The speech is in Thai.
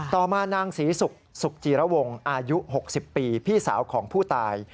ต่อมานางศรีศุกร์จีระวงอายุ๖๐ปีพี่สาวของผู้ตาย